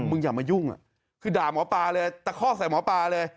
อย่ามายุ่งคือด่าหมอปลาเลยตะคอกใส่หมอปลาเลย